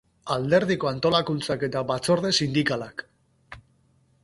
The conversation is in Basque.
Alderdiko antolakuntzak eta batzorde sindikalak.